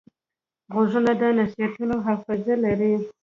غوږونه د نصیحتونو حافظه لري